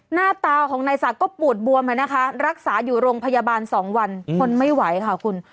หน้าตาของนายศักดิ์ก็ปูดบวมนะคะรักษาอยู่โรงพยาบาล๒วันทนไม่ไหวค่ะคุณ